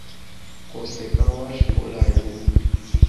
Kosteka wê, ji polayê bû.